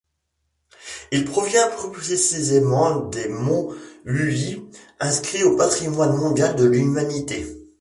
Il provient plus précisément des monts Wuyi, inscrits au Patrimoine mondial de l'humanité.